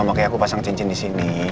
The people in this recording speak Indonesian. makanya aku pasang cincin di sini